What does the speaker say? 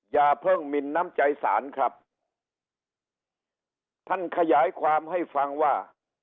อย่าเพิ่งหมินน้ำใจสารครับท่านขยายความให้ฟังว่า